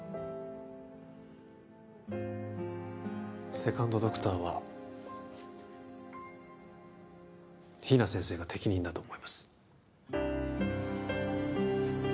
セカンドドクターは比奈先生が適任だと思います